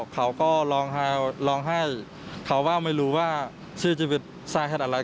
เขาก็ลองให้เขาว่าไม่รู้ว่าเสียชีวิตสาเหตุอะไร